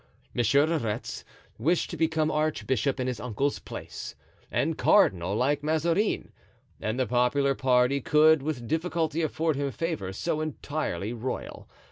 Monsieur de Retz wished to become archbishop in his uncle's place, and cardinal, like Mazarin; and the popular party could with difficulty accord him favors so entirely royal.